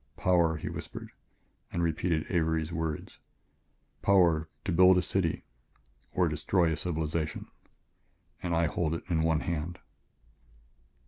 "Power," he whispered and repeated Avery's words; "power, to build a city or destroy a civilization ... and I hold it in one hand."